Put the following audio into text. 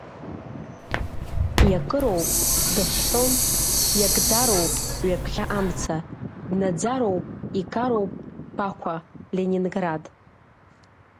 Иакыроуп, дыҳәҳәон, иакӡароуп ҩаԥхьа амца, днаӡароуп, игароуп Бақәа, Ленинград…